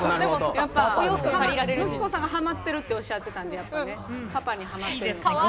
息子さんがハマってらっしゃるっておっしゃってたんで、パパに、はまってる。